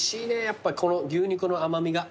やっぱりこの牛肉の甘味が。